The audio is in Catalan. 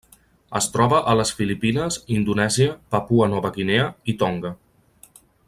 Es troba a les Filipines, Indonèsia, Papua Nova Guinea i Tonga.